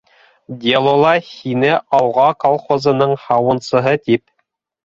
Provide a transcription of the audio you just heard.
«Дело»ла һине «Алға» колхозының һауынсыһы тип...